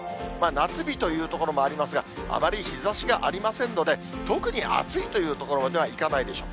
夏日という所もありますが、あまり日ざしがありませんので、特に暑いというところまではいかないでしょう。